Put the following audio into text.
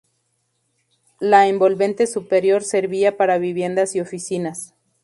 La envolvente superior servía para viviendas y oficinas.